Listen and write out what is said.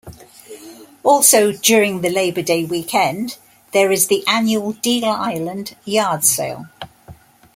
Also, during the Labor Day weekend, there is the annual Deal Island yard sale.